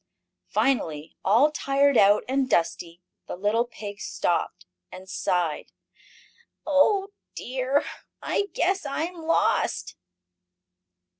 Finally, all tired out, and dusty, the little pig stopped, and sighed: "Oh dear! I guess I am lost!"